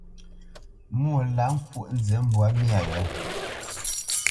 Mwô lâ ŋkwóʼ nzi mbwǎ myâ wě.